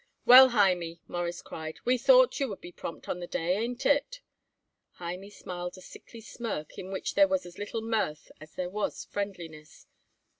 "Well, Hymie," Morris cried, "we thought you would be prompt on the day. Ain't it?" Hymie smiled a sickly smirk in which there was as little mirth as there was friendliness.